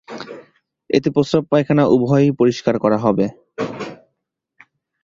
এতে প্রস্রাব-পায়খানা উভয়ই পরিষ্কার হবে।